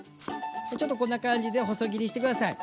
ちょっとこんな感じで細切りにして下さい。